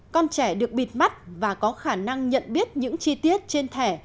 con trẻ được bịt mắt và có khả năng nhận biết những chi tiết trên thẻ